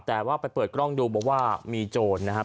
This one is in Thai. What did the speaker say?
แต่ว่าไปเปิดกล้องดูบอกว่ามีโจรนะครับ